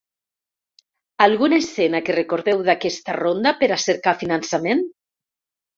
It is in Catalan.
Alguna escena que recordeu d’aquesta ronda per a cercar finançament?